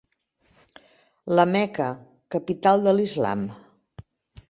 La Meca, capital de l'islam.